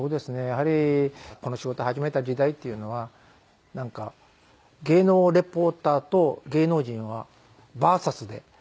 やはりこの仕事を始めた時代っていうのはなんか芸能リポーターと芸能人はバーサスで。